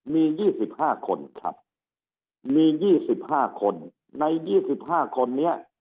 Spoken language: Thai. มี๒๕คนครับมี๒๕คนใน๒๕คนนี้